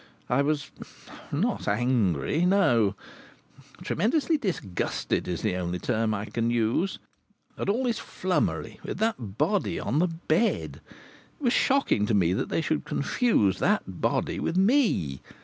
I was not angry; no, tremendously disgusted is the only term I can use at all this flummery with that body on the bed. It was shocking to me that they should confuse that body with me.